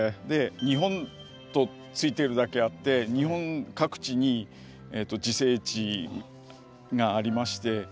「ニホン」と付いているだけあって日本各地に自生地がありまして。